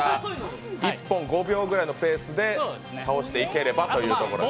１本５秒くらいのペースで倒していければということです。